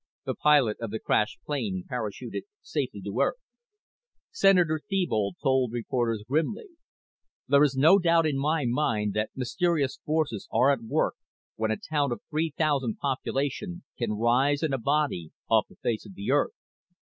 The pilot of the crashed plane parachuted safely to Earth._ Sen. Thebold told reporters grimly: _"There is no doubt in my mind that mysterious forces are at work when a town of 3,000 population can rise in a body off the face of the Earth.